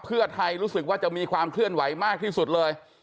เพื่อไทยรู้สึกว่าจะมีความเคลื่อนไหวมากที่สุดเลย